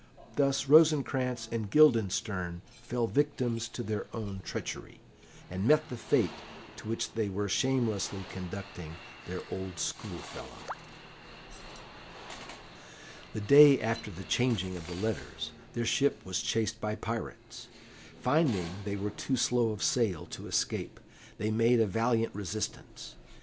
Thus Rosencrantz and Guildenstern fell victims to their own treachery, and met the fate to which they were shamelessly conducting their old schoolfellow. The day after the changing of the letters their ship was chased by pirates. Finding they were too slow of sail to escape, they made a valiant resistance.